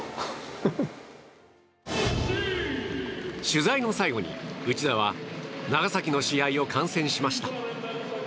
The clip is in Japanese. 取材の最後に、内田は長崎の試合を観戦しました。